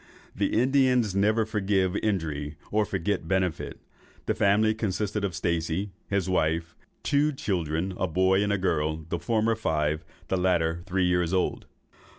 The Indians never forgive injuries or forget benefits. The family consisted of Stacey, his wife, and two children, a boy and girl, the former five, the latter three years old."